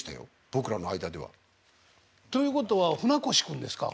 僕らの間では。ということはフナコシ君ですか？